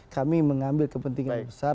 kami mengambil kepentingan besar